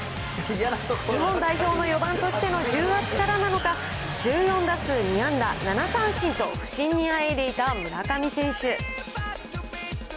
日本代表の４番としての重圧からなのか、１４打数２安打、７三振と不振にあえいでいた村上選手。